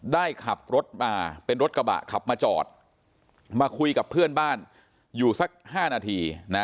ได้ขับรถมาเป็นรถกระบะขับมาจอดมาคุยกับเพื่อนบ้านอยู่สัก๕นาทีนะ